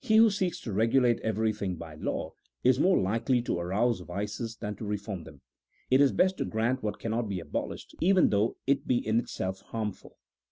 He who seeks to regulate everything by law, is more likely to arouse vices than to reform them. It is best to grant what cannot be abolished, even though it be in itself harmful.